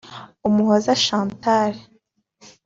Umuhoza Chantal